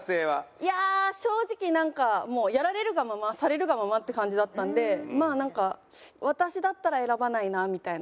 いや正直なんかもうやられるがままされるがままって感じだったのでまあなんか私だったら選ばないなみたいな。